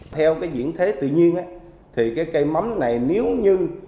theo diễn thế tự nhiên cây mắm này nếu như